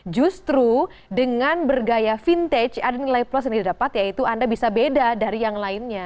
justru dengan bergaya vintage ada nilai plus yang didapat yaitu anda bisa beda dari yang lainnya